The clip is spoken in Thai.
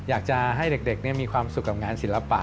อยากจะให้เด็กมีความสุขกับงานศิลปะ